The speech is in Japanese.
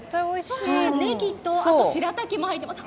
ねぎと、あとしらたきも入っています。